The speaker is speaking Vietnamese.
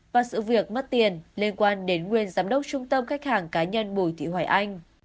và sự việc mất tiền liên quan đến nguyên giám đốc trung tâm khách hàng cá nhân bùi thị hoài anh